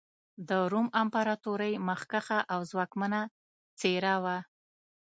د روم امپراتورۍ مخکښه او ځواکمنه څېره وه.